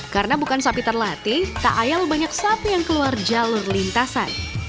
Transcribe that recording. karena bukan sapi terlatih tak ayal banyak sapi yang keluar jalur lintasan